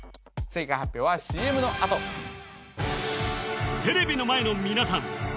正解発表はＣＭのあとテレビの前の皆さん